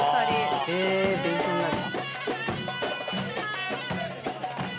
へえ勉強になる。